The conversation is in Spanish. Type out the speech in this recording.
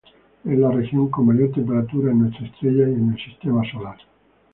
Es la región con mayor temperatura en nuestra estrella y en el sistema solar.